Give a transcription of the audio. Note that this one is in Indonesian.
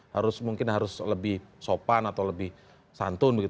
harus mungkin harus lebih sopan atau lebih santun